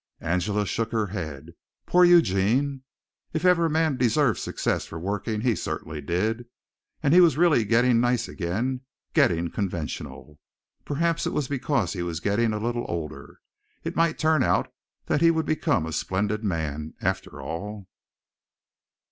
Angela shook her head. Poor Eugene! If ever a man deserved success for working, he certainly did. And he was really getting nice again getting conventional. Perhaps it was because he was getting a little older. It might turn out that he would become a splendid man, after all.